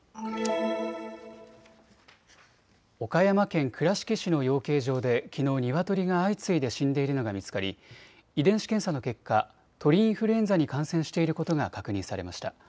岡山県倉敷市の養鶏場できのうニワトリが相次いで死んでいるのが見つかり遺伝子検査の結果、鳥インフルエンザに感染していることが確認されました。